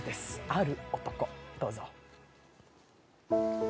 「ある男」、どうぞ。